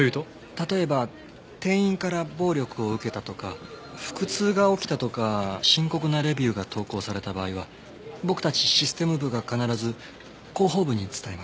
例えば店員から暴力を受けたとか腹痛が起きたとか深刻なレビューが投稿された場合は僕たちシステム部が必ず広報部に伝えます。